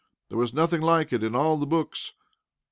There was nothing like it in all the books.